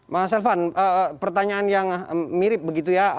mas elvan pertanyaan yang mirip begitu ya